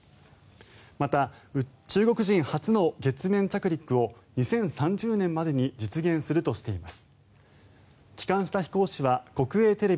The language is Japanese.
また、中国人初の月面着陸を２０３０年までに実現するとしています。